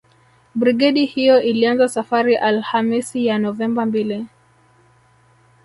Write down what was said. Brigedi hiyo ilianza safari Alhamisi ya Novemba mbili